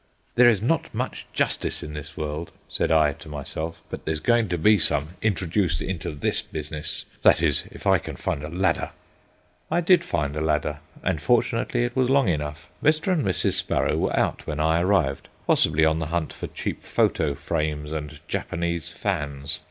"There is not much justice in this world," said I to myself; "but there's going to be some introduced into this business—that is, if I can find a ladder." I did find a ladder, and fortunately it was long enough. Mr. and Mrs. Sparrow were out when I arrived, possibly on the hunt for cheap photo frames and Japanese fans.